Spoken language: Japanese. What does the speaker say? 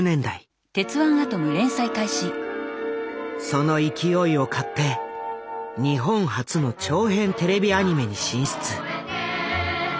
その勢いをかって日本初の長編テレビアニメに進出。